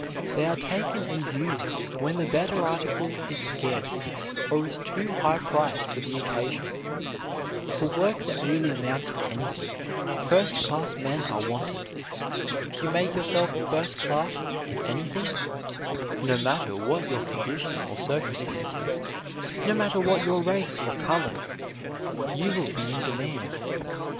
They are taken and used when the better article is scarce or is too high priced for the occasion. For work that really amounts to anything, first class men are wanted. If you make yourself first class in anything, no matter what your condition or circumstances, no matter what your race or color, you will be in demand.